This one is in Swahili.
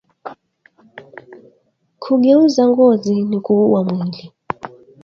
Ku geuza ngozi ni kuhuwa mwili